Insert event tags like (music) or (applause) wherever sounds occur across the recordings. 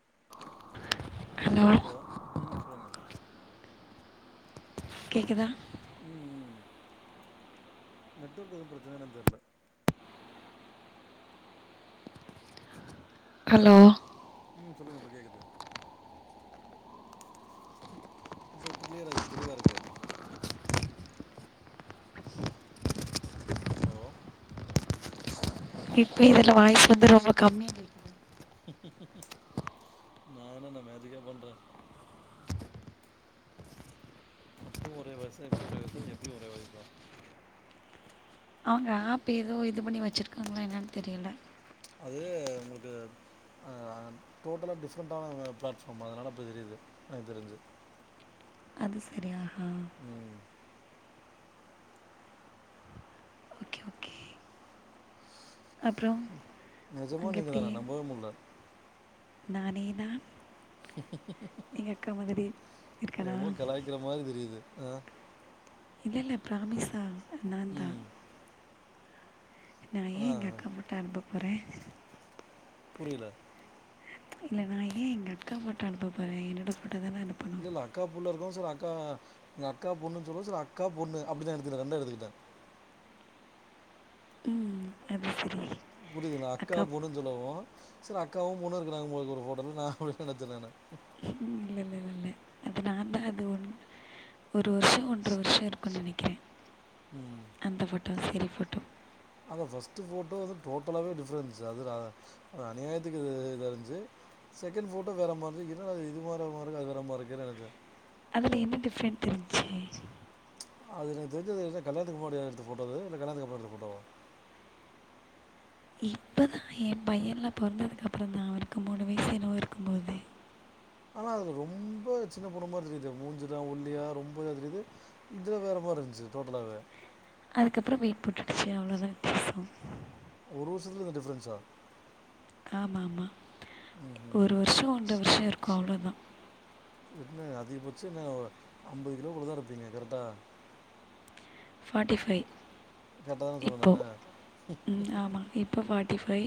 (inaudible) Hello உ சொல்லுங்க கேக்குதா உ உ நெட்ஒர்க் எதுவு பிரச்சனையா என்னன்னு தெர்ல ஹலோ சொல்லுங்க இப்ப கேக்கது இப்ப கிழியராகிட்டு இப்ப தெளிவா இருக்கு உ ஓ இப்ப இதுல வாய்ஸ் வந்து ரொம்ப கம்மியா கேக்கு உ நா என்னென்ன மேஜிக்கா பண்றே அப்பே ஒரே வயசுா இப்ப ஒரே வயசு எப்போயு ஒரே வயசுதா அவங்க ஆப் ஏதோ இது பண்ணி வச்சிருக்காங்களா என்னென்னு தெரியல அது உங்களுக்கு உ ஆ டோட்டலா டிஃப்ரெண்ட்டான பிளாட்ஃபார்ம் அதனால அப்டி தெரியுது எனக்கு தெரிஞ்சு அது சரியா உ ஓகே ஓகே அப்புறம் நிஜமா அங்கே நீங்க எப்படி தானா நம்பவே முடில நானே தா உ இருக்கேனா என்னமோ கலாய்க்கிற மாதிரி தெரியுது ஆ இல்ல இல்ல ப்ராமிசா நாந்தா ம் நா ஏ ஆனா எங்க அக்கா போட் அனுப்ப போறே புரியல இல்ல நா ஏ எங்க அக்கா ஃபோட்டா அனுப்ப போறே என்னோட இல்லல்ல அக்கா புள்ள இருக்கவு செரி அக்கா உங்கக்காபொண்ணு சொல்லவு செரி அக்கா பொண்ணு அப்டிதா எடுத்துட்டே ரெண்டா எடுத்துக்கிட்டே உ புரியுதுங்களா அக்கா பொண்ணு சொல்லவோ சரி அக்காவும் ஒண்ணு இருக்கிறாங்க இருக்குறாங்க போல ஒரு போட்டோல நான் அப்படிதா நினச்சே நானு இல்லை இல்லை இல்லை இல்லை அது நான் தான் அது ஒன் ஒரு வருஷம் ஓன்ற வருஷம் இருக்கும்ன்னு நினைக்கிறேன் உம் தினசரி போட்டோ அந்த பர்ஸ்ட் போட்டோ வந்து டோட்டலாவே டிஃபரெண்ட்ஸ் அது அநியாயத்துக்கு இதா இருந்துச்சு செகண்ட் போட்டோ வேற மாதிரிந்துச்சு இது வர மாதிரி இருக்கு அது வேற மாதிரி இருக்குன்னு நினைச்சேன் அதுல என்ன டிஃரெண்ட் தெரிச்சி அது எனக்கு தெரிஞ்சி கல்யாணத்துக்கு முன்னாடி எடுத்த ஃபோட்டோது இல்ல கல்யாணத்துக்கு அப்பரோ எடுத்த ஃபோட்டாவா இப்பதான் என் பையன்லா போறந்ததுக்கு அப்புறம் தான் அவருக்கு மூணு வயசு என்னமோ இருக்கும்போது ஆனா அதுல ரொம்ப சின்ன பொண்ணு மாதிரி தெரியுது மூஞ்சிலா ஒல்லியா ரொம்ப தெரியுது இதுல வேற மாதிரி இருந்துச்சு டோட்டலாவே அதுக்கு அப்பறோ வேட் போட்டுடுச்சு அவ்வளோதான் வித்தியாசம் ஒரு வருஷத்துல இந்த டிஃப்ரென்ஸா ஆமாம் ஆமா ஒரு வருஷம் ஒன்ற விஷயம் இருக்கும் அவ்ளோதான் என்ன அதிகபச்சம் ஒரு ஐம்பது கிலோக்குள்ள தான் இருப்பீங்க கரெக்டா பார்ட்டிஃபைவ் கரெக்ட்டா தான சொன்னேன் இப்போ நானு? உம் ஆமா இப்போ ஃபார்ட்டி ஃபை்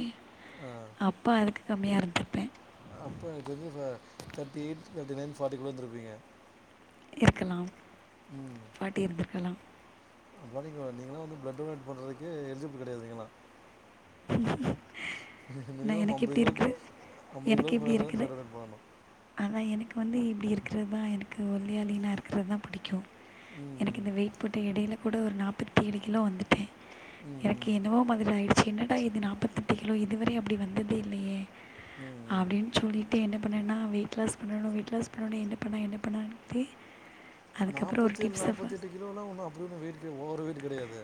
ஆ அப்போ அதுக்கு கம்மியா இருந்திருப்பேன் thirty eight thirty nine fifty குள்ள இருந்துருப்பீங்க இருக்கலாம் பாட்டி இருந்திருக்கலாம் அப்ப நீங்க நீங்களாம் வந்து பிளட் டொனேட் பண்றதுக்கு எலிஜிபிள் கிடையாது நீங்களாம் நான் மினிமம் எனக்கு ஐம்பது இப்படி கிலோக்கு இருக்குது ஐம்பது கிலோக்கு மேல இருந்தா தான் ப்ளட் டொனேட் பண்ணணும் ஆனா எனக்கு வந்து இப்படி இருக்கிறதுதான் எனக்கு ஒல்லியா லீனா இருக்கிறது தான் பிடிக்கும் ம் எனக்கு ம் இந்த வெயிட் போட்ட இடையில கூட ஒரு நாற்பத்தி ஏழு கிலோ வந்துட்டேன் ம் எனக்கு ம் என்னவோ மாதிரி ஆயிடுச் என்னடா இது நாற்பத்தெட்டு கிலோ இதுவரை அப்படி வந்ததே இல்லையே ம் ம் அப்படின்னு சொல்லிட்டு என்ன அப்பண்ண என்ன வெயிட் லாஸ் பண்ணணும் வெயிட் லாஸ் பண்ணணும் என்ன பண்ணா என்ன பண்ணான்ட்டு அதுக்கப்புறம் ஒரு நாப்பத்தி ஏழு நாற்பத்தி டிப்ஸை எட்டு கிலோ எல்லாம் ஒண்ணும் அப்படி வெயிட் இல்லயே ஓவர் வெயிட் கிடையாதே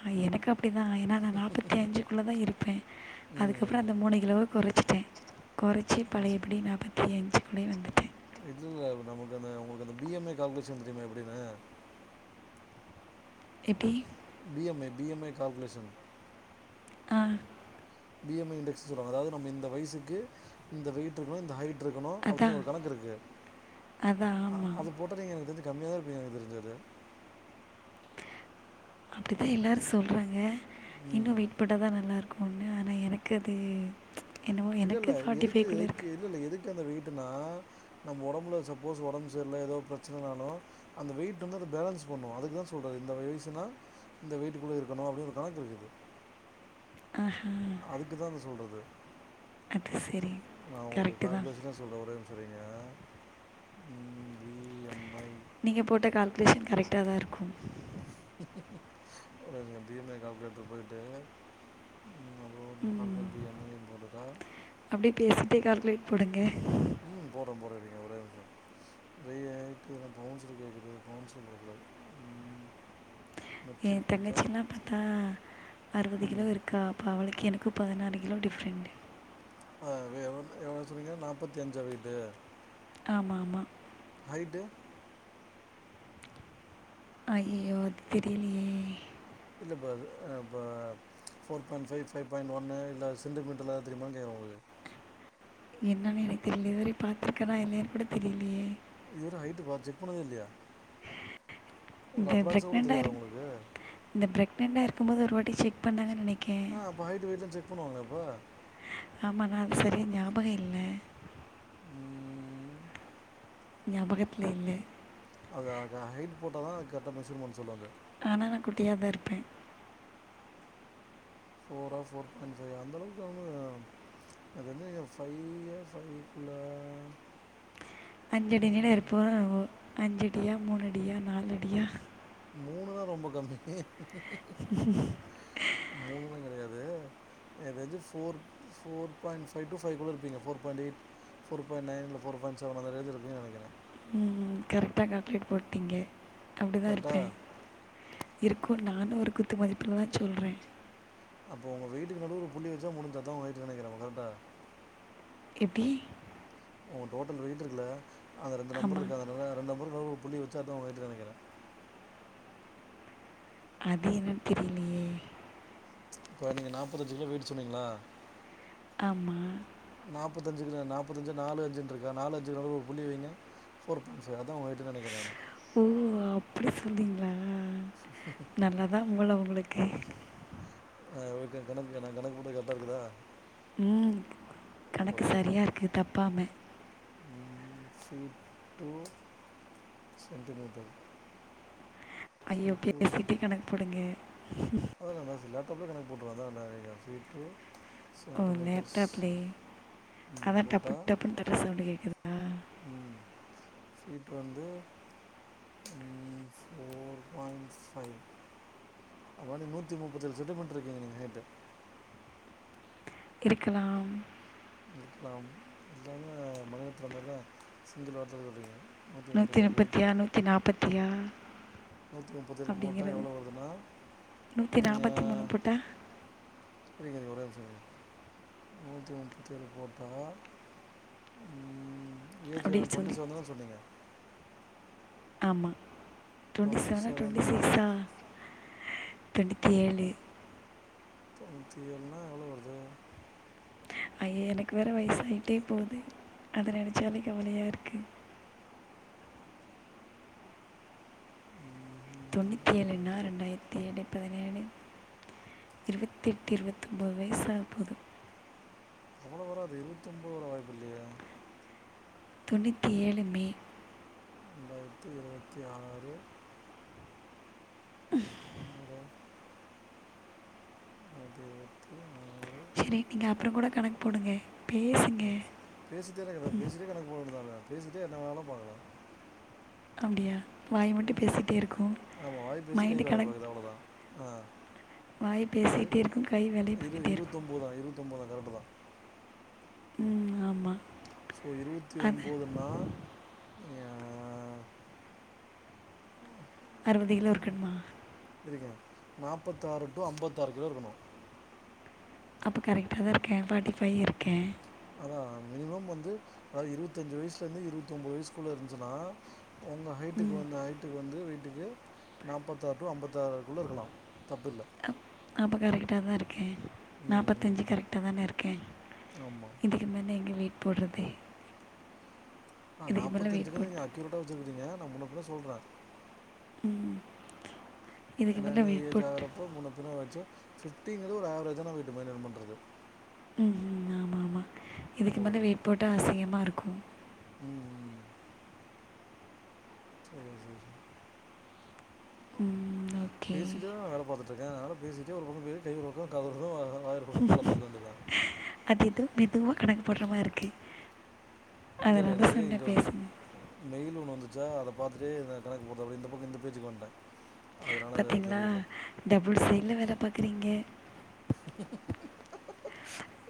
ஆஹ் எனக்கு அப்ப அப்படிதான் ஏன்னா நான் நாற்பத்தி அஞ்சுக்குள்ள தான் இருப்பேன் ம் அதுக்கப்புறம் ம் அந்த மூணு கிலோவ குறைச்சிட்டேன் குறைச்சி பழைய படி நாற்பத்தி அஞ்சு க்குள்ள வந்துட்டேன் இல்ல நமக்கு அந்த உங்களுக்கு அந்த பிஎம்ஏ கால்குலேஷன் தெரியுமா எப்படின்னு எப்டி B M I B M I calculation ஆ பி எம் ஐ இன்டெக்ஸ் சொல்லுவாங்க அதாவது நம்ம இந்த வயிசுக்கு இந்த வெயிட் இருக்கனு இந்த ஹைட் ஹைட் இருக்கணு அப்டின்னு அதான் ஒரு கணக்கு இருக்கு அதான் ஆ ஆமாம் அது போட்டா நீங்க எனக்கு தெருஞ்சு கம்மியாதா இருப்பீங்க எனக்கு தெருஞ்சு அது அப்டித்தா எல்லாரு சொல்றாங்க இன்னு ம் வெயிட் போட்டதா நல்லா இருக்கு ஒன்னு ஆனா எனக்கு அது என்னவோ இல்ல எனக்கு இல்ல ஃபார்ட்டி எதுக்கு ஃபைவ்க்குள்ளே எதுக்கு இருக்குது இல்ல இல்ல எதுக்கு அந்த வெயிட் ட்டுன்னா நம்ம ஒடம்புல சப்போஸ் ஒடம் செரியில்ல எதோ பிரச்சனைனாலு‌ அந்த வெயிட் வந்து அத பேலன்ஸ் பண்ணு அதுக்குதா சொல்றது இந்த வயிசுனா இந்த வெயிட்க்குள்ள இருக்கனு அப்டின்னு ஒரு கணக்கு இருக்குது ஆஹா அதுக்கு தான் அதை அது செரி நா உங்களுக்கு கால்குலேஷ்னா சொல்ற ஓரே நிம்ஷோ இரு தீங்க ம் இந்த வீ எம் நீங்க போட்ட கால்குலேஷன் கரெக்டாதா இருக்கு ஒருங்க பி எம் ஏ காதல்குலேட்டர் போயிட்டு ம் அப்படியே பேசிட்டே கால்குலேட் போடுங்க (unintelligible) எ ஒரே நிம்ஷோ (inaudible) ஏ தங்கச்சி எல்லா பாத்தா அறுபது கிலோ ம் இருக்கா அப்போ அவளுக்கு எனக் க்கு பதுனாறு கிலோ டிஃரெண்ட்டு அ எவ்ளோ எவ்ளோ சொன்னீங்க நாற்பத்தி அஞ்சா வெயிட்டு ஆமா ஆமா ஹைட்டு ஐயோ அது தெரியிலயே இல்லப்பா இது இப்போ four point five five point ஒன்னு இல்ல சென்டி மீட்டர்லயாவது தெரியுமா கோக்குற உங்களுக்கு என்னன்னு எனக்கு தெரியில இதுவரை பாத்துருக்கன்னா இல்லைன் கூட தெரியலையே இது வர ஹைட்டு பாத்து செக் பண்ணவே இல்லையா ஒரு இந்த அப்ராக்ஸாக கூட பிரக்ணண்டா தெரியாதா இரு உங்களுக்கு இந்த பிரக்ணண்டா இரு க்கும் போது ஒரு வாட்டி செக் பண்ணாங்கன்னு நெனைக் ஆ அப்ப ஹைட்டு வெயிட்லா செக் செக் பண்ணுவாங்களேப்பா ஆமா நான் செரியா ஞாபகோ இல்ல ம், ஞாபகத்துல இல்ல அத அத கைய்போட் தான் கெட்ட மெசு மெசுனு ஆனா நான் குட்டியாாதான் இருப்பேன் போஃபரா ஃபோர் பாயிண்ட் ஃபைவ அந்தளவுக்கு அவங்க அதுந்து ஃபைவ ஃவக்குள்ள அஞ்ச அடி நீ இருப்போ அஞ்சடியா மூணு அடியா நாலுடியா மூணு தான் ரொம்ப கம்மி மூணலாம் கிடையாது அது வந்து ஃபோ பர் பிண்ட் ஃவ பைவ கூட இருப்பீ ஃபோ பிண்ட்யிட் ஃபோ பாயண்ட் நைன்ல்லை ஃபோ பாயண்ட் சென் அந்ததது இருக்குன்னு நினைக்கிறேன் உம் கரெக்டா கட்லேட் போட்டீங்க அப்படிதான் கரெக்டாக இருப்பேன் இருக்கும் நானும் ஒரு குத்து மதிப்பில் தான் சொல்கிறேன் அப்போ உங்க வீட்டுக்கு நல்ல ஒரு புள்ளி வச்சா முடிஞ்ச தான் உங்க வட்டு நினைக்கிறாங்க கரெக்டா எடி உ டோட்டல் வெக்கிட்டுருக்குல அந்த ரெண்டு நம்பர் ஆமாம் இருக்கு அ ரெண்டு நம்பர் புள்ளி வச்சா தான் உங்க வட்டு நினைக்கிறேன் அது என்னன் தெரியலையே இப்ப நீங்க நாப்பத்தஞ்சு கிலோ வீடு சொன்னீங்களா ஆமா நாபதஞ்குது நாபதஞ்ச நாலுஞ்சுறிக நாலுஞ்சு நடுல ஒரு புள்ளி வைங்க போ ஓ அபடி சொனீங்களா நல்லாதா மூள உங்களுகு ஓகே ஆஹ் ஓகே கணக்கு நா கணக்கு கூட கரெடா இருகுதா உம் கணக்கு சரியா இருகு தபாம சி டு சென்டிமீடர் ஐயோ பேசிடே கணக்கு போடுங்க அப்டியே கணகு போட்ருவ அதா சி டு ஓ லேப்டாப்லயே அதா டபு டபுனு தற சவுண்ட் கேகுது ம சீட் வந்து உ ஃபோர் பாயிண் ஃபைவ் அது மாரி நூத்தி முபதேழு சென்டமீடர் இருகீங்க நீங்க ஹைட்டு இருகலாம் இருகலா எல்லா மனிரத்ன மாரிதா சிங்கிள் வார்த சொல்றீங்க நூதி முபதியா நூதி நாபதியா நூற்றி முப்பத்தேழு போட்டால் அபடிங்கிறது எவ்வளோ வருதுன்னா நூதி நாபதி மூணு போடா செரிங்க ஒரே நிமிஷம இருங்க நூற்றி முபதி ஏழு போடா ம் ஏஜ் அப்படி எவ்ளோ டுவெண்டி சொல்லி செவன் தா சொனீங்க ஆமா டுவெண்டி டுவெண்ட்டி செவனா செவன் டுவெண்டி சிக்ஸா தொண்ணுதி ஏலு தொண்ணூதி ஏலுனா எவளோ வருது ஐய எனகு வேற வயசாயிடே போது அது நனசாலே கவலையா இருகு உம் தொண்ணூதி ஏலு நா இரண்டாயிரதி ஏலு பதினேலு இருபதி எட்டு இருபதி ஒம்பது வயசாக போது இருபத்தி ஒம்பது வர வாய்பு இலயே தொணூத்தி ஏலு மே தொளாயிரதி இருவதி ஆறு பத்தி ஆறு செரி நீங்க அபுற கூட கணக்கு போடுங்க பேசுங்க பேசிடேதாருகன் பேசிடே கணக்கு போடணு தான பேசிடே நா வெனாலா பாகலா அபடியா உம் ஆமா வாய்பேசு கை மைண்டு வேல கணக்கு பாக்குது அவளோதா ஆஹ வாய் பேசிகிட்டே இருக்கும் கை வேலையை இரு-இரு பார்த்துட்டே இருபதி இருக்கும் ஒம்பதா இருபதொன்பதா கரெக்ட் தா உம் ஆமா சோ இருபதி ஒம்பதுனா ய அ அறுபது கிலோ இருகணுமா இருங்க நாபதாறு டு அம்பதாறு கிலோ இருகணு அப்ப கரெக்டா தா இருகே ஃபாட்டி ஃபை இருகே ஆ மினிம வந்து இருபதஞ்சு வயசுலேந்து இருபதொம்பது வயசகுள்ளே இருந்துசுனா உங்க ஹைட்டுக்கு ம் வந்து ஹைட்டுக்கு வந்து வீட்டுக்கு நாற்பத்த ஆறு டு ஐம்பத்தாறுக்குள்ள இருக்கலாம் தப்பு இல்ல அப் அப்போ கரெக்ட்டா தா இருக்கேன் ம் நாற்பத்தஞ்சு ம் கரெக்டா தானே இருக்கேன் ஆமாம் இதுக்கு மேல எங்க வீட்டு ப்படுத ஆஹ நாப்பத்தஞ்ஞீ இருக்குனு நீங்க அக்யூரேட்டா சொல்றீங்க நான் ரெம்ப சொல்றே உம் என்னதா இந்த ஏஜ் ஆகுரப்போ முன்னப்பின்ன வாச்சு பிப்டிங்கிறது ஒரு ஆவரேஜான வெயிட் மென்டெயின் பண்றது ம்ம் ஆமா ஆமா இதுக்கு மேல உங்களுக்கு வெயிட்போட்ட அசிங்கமா இருக்கு (inaudible) ம் செரி செரி ம் ஓகே பேசிட்டு தா வேல பாத்து ட்ருக்கே அதுனால பேசிட்டே ஒரு பக்கொ பே கை ஒரு பக்கொ காதொரு பக்கொ அதனால அது எதோ மெதுவா கட கட போட்ற மாருக்கு இல்லெல்ல எனக்கு இங்க ஒரு மெயில் ஒன்னு வ ந்துச்சா அத பாத்துட்டே இருந்தே கணக்கு போட்டு அப்டியே இந்த பக்கொ இந்த பேச்சுக்கு வன்ட்டே பாத்தீங்ளா டபுள் சைட்ல வேல பாக்குறீங்க (unintelligible)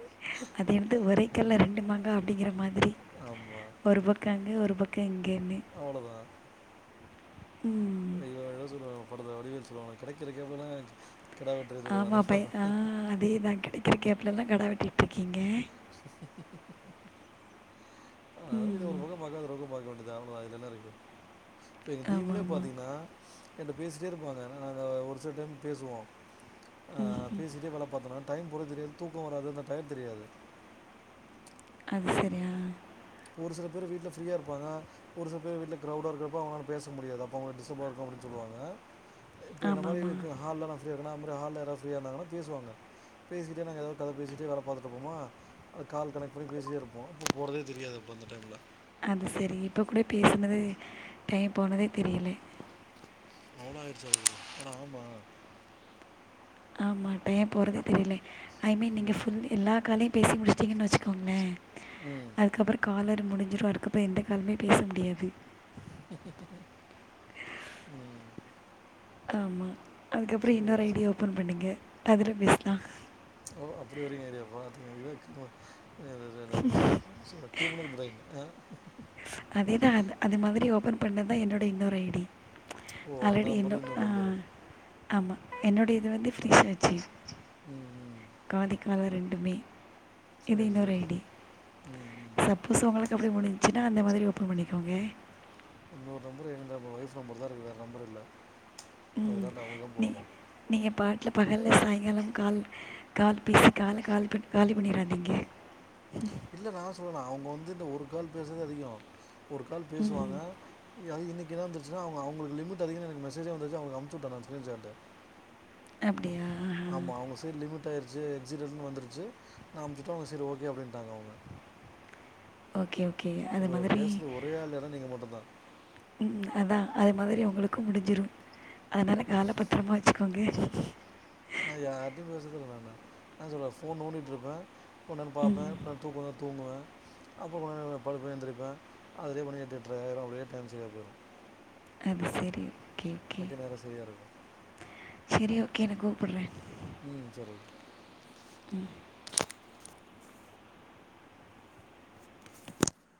அது எப்டி ஒரே கல்ல ரெண்டு மாங்கா அப்டிங்கிற மாதிரி ஆமா ஒரு பக்க அங்க ஒரு பக்க இங்கன்னு அவ்ளோதா ஐயோ எதா சொல்வாங்க படத்துல வடிவேல் சொல்வாங்கல கெடைக்கிற கேப்லதா ஆமா பை ஆ அதேதா கெடைக்கிற கேப் லல்லா கெடா வெட்டிட்ருக்கீங்க (inaudible) ம் தா அவ்ளதா இதுல என்ன இருக்கு இப்ப எங்க ஆமா, டீம்லே ஆமா. பாத்தீங்னா என்ட பேசிட்டே இருப்பாங்க நா அதா ஒரு சில டைம் பேசுவோ ஆ பேசிட்டே வேல பாத்தனா டைம் போற தெரியாது தூக்கொ வராது அந்த டயட் தெரியாது அது செரியா ஒரு சில பேர் வீட்ல ஃப்ரீயா இருப்பாங்க ஒரு சில பேர் வீட்ல க்ரவுடா இருக்கப்ப அவுங்களால பேச முடியாது அப்ப அவுங்க டிஸ்டர்பா இருக்கு அப்புடின் சொல்லுவாங்க இப்ப என்ன மாரி ஆமாமா. இப்ப ஹால்ல நா ஃப்ரீயாருகெனா அ மா ரி ஹால்ல யாராது ஃப்ரீயா இருந்தாங்கனா பேசுவாங்க பேசிட்டு நாங்க எதா கத பேசிட்டு வேல பாத்துட்ருப்போமா அது கால் கனெக்ட் பண்ணி பேசிட்டே இருப்போ அப்ப போறதே தெரியாது அ ப்ப அந்த டைம்ல அது செரி இப்ப கூட பேசுனதே டைம் போனதே தெரியில அவ்ள ஆயிருச்சா அதுகுள்ள அட ஆமா ஆமா டைம் போறதே தெரியில ஐ மீன் நீங்க நான் ஃபுல் எல்லா காலையு பேசி முடிச் சீங்கன் வச்சுக்கோங்ளே ம் அதுக்கப்புற காலர் முடிஞ்சிரு அதுக்கப்றோ எந்த காலுமே பேச முடியாது ம் காமா அதுக்கப்புற சரி இன்னொரு ஐ டி சரி ஓப்பன் பண்ணுங்க அதில பேசுலா எப்டி வரிங்க ஏரியா (unintelligible) (unintelligible) கிருமினல் முறை ஆ அதேதா அத் அது மாரி ஓபன் பண்ணதுதா என்னோட இன்னொரு ஐடி ஓ அந்த ஆல்லடி இன்னு நம்பர் இன்னொரு ஆ நம்பரு ஆமா என்னுடையது வந்து ஃப்ரிச்சாச்சு ம் ம் காதி கால ரெண் டுமே இது சரி இன்னொரு சரி சரி ஐடியா ம், ம். சப்போஸ் உங்ளுக்கு அப்டி முடிஞ்சு டா அந்த மாதிரிப் ஒப்பன் பண்ணிக்கோங்க இன்னொரு நம்பர் போதும் ஒய்ப் நம்பர் தா இருக்கு வேற நம்பர் இல்ல ம் நீ நீங்க பாட் வீட்ல பகல சாய்ங்காலம் கால் கால் பேசி கால காலிப் பண் காலி பண்ணிறாதீங்க இல்ல நா சொல்லல அவுங்க வந் இது என்ன ஒரு கால் பேசுனதே அதிகோ ஒரு கால் பேசுவாங்க ம் அதும் இன்னிக் இங்க தா பிரச்சன அவுங் அவுங்ளுக் லிமிட் அதிகோ எனக்கு மெசேஜ்யே வந்துச்சி அவுங்ளுக் அமிச்சுட்ட நா ஸ்க்ரீன் ஷாட அப்டியா ஆமா அவுங்க சைடு லிமிட் ஆயிருச்சு எக்ஸிடர்னு வந்துருச்சு நா அமுச்சுட்டா அவுங்க செரி ஓகே அப்டின்ட்டாங்க அவுங்க ஓகே ஓகே அது மாதிரி ஒரே ஆள் இடம் நீங்கள் மட்டும்தான் ம் அதா அதே மாதிரி உங்ளுக்கும் முடிஞ்சிரும் அதனால கால பத்ரமா வச்சுக்கோங்க நா யார்டியும் பேஸ் என்ன சொல்றான்வ நா சொல்வ ஃபோன் நோடிட்டிருப்ப தொடர் ம் பாப்ப அப்ற தூக்கோ வந்தா தூங்குவ அப்பப்பா படுப்ப எந்திரிப்ப அதிலேயே மணி எட்டு எட்டரையாயிடும் அப்டியே டைம் செரியா போய்டும் அது செரி அக்கு நேரம் சரியா இருக்கும் சரி ஓகே என கூப்பிடறேன் ம் சரி உம்